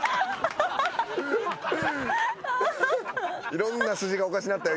いろんな筋がおかしなったよ